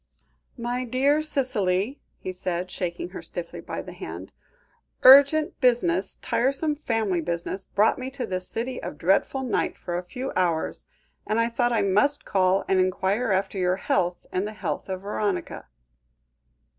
"My dear Cicely," he said, shaking her stiffly by the hand, "urgent business, tiresome family business, brought me to this city of dreadful night for a few hours, and I thought I must call and enquire after your health, and the health of Veronica."